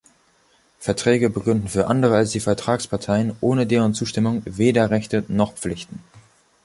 Verträge begründen für andere als die Vertragsparteien ohne deren Zustimmung weder Rechte noch Pflichten.